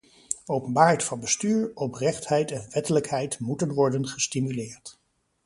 Openbaarheid van bestuur, oprechtheid en wettelijkheid moeten worden gestimuleerd.